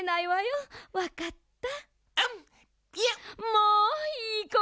もういいこね。